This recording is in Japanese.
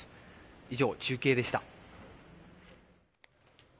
以上、中継でした。